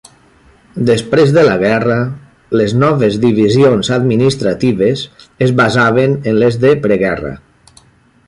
Després de la guerra, les noves divisions administratives es basaven en les de preguerra.